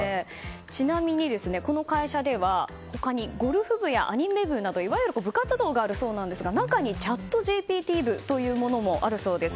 ちなみに、この会社ではほかにゴルフ部やアニメ部などいわゆる部活動があるそうなんですが中にチャットＧＰＴ部というものもあるそうです。